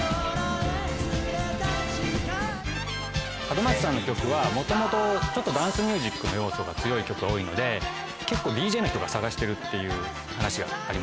角松さんの曲はもともとダンスミュージックの要素が強い曲が多いので結構 ＤＪ の人が探してるっていう話がありますね。